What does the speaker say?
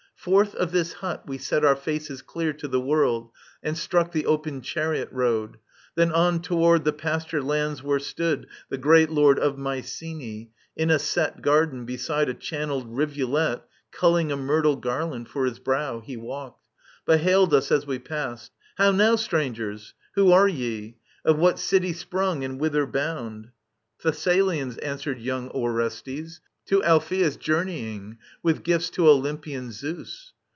Forth of this hut we s6t our faces clear To the world, and struck the open chariot road ; Then on toward the pasture lands, where stood The great Lord of Mycenae. In a set Garden beside a channelled rivulet. Culling a myrtle garland for his brow, He walked : but hailed us as we passed :^^ How now. Strangers 1 Who are ye ? Of what city sprung. And whither bound ?*'" Thessalians,'' answered yoimg Orestes :to Alphetls journeying. With gifts to Olympian Zeus."